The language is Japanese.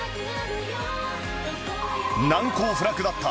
難攻不落だった